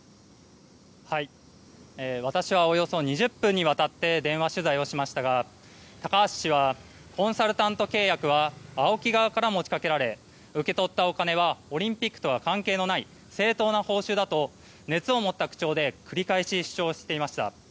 私はおよそ２０分にわたって電話取材をしましたが高橋氏は、コンサルタント契約はＡＯＫＩ側から持ち掛けられ受け取ったお金はオリンピックとは関係のない正当な報酬だと熱を持った口調で繰り返し主張していました。